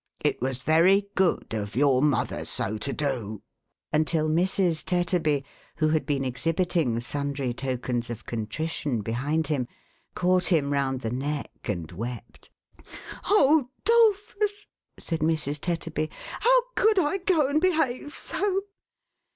It was very good of your mother so to do "— until Mrs. Tetterby, who had been exhibiting sundry tokens of contrition behind him, caught him round the neck, and wept. " Oh, 'Dolphus !" said Mrs. Tetterby, " how could I go and behave so